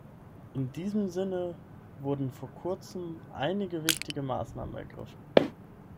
In diesem Sinne wurden vor kurzem einige wichtige Maßnahmen ergriffen.